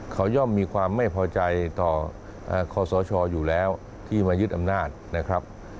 เขาย่อมมีความไม่พอใจต่อคอสชอยู่แล้วที่มายึดอำนาจนะครับ